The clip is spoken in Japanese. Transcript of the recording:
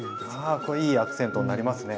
これいいアクセントになりますね。